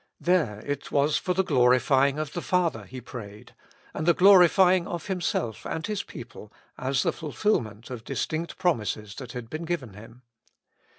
There it was for the glorifying of the Father He prayed, and the glorifying of Himself and His people as the fulfilment of distinct promises that had been given Him.